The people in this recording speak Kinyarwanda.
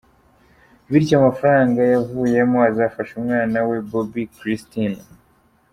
Bityo amafaranga yavuyemo azafasha umwana we, Bobbi Kristina.